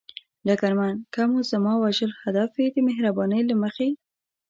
ډګرمن: که مو زما وژل هدف وي، د مهربانۍ له مخې.